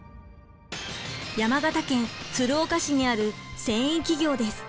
山形県鶴岡市にある繊維企業です。